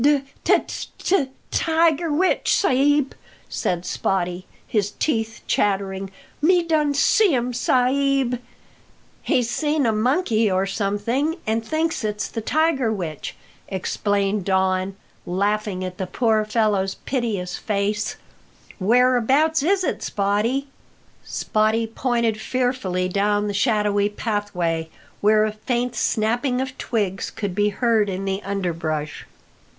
"De t t tiger witch, sa'b!" said Spottie, his teeth chattering. "Me done see um, sa'b!" Just then the captain came up. "He's seen a monkey or something, and thinks it's the tiger witch," explained Don, laughing at the poor fellows piteous face. "Whereabouts is it, Spottie?" Spottie pointed fearfully down the shadowy pathway, where a faint snapping of twigs could be heard in the underbrush.